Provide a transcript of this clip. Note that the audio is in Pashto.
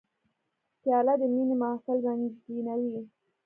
پیاله د مینې محفل رنګینوي.